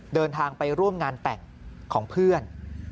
เดินทางไปร่วมงานแต่งของเพื่อน